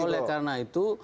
maka oleh karena itu